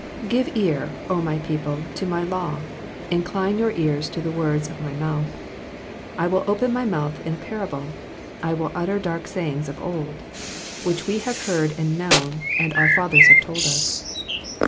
GIVE ear, O my people, to my law : incline your ears to the words of my mouth. 2 I will open my mouth in a parable : I will utter dark say ings of old : 3 Which we have heard and known, and our fathers have told us.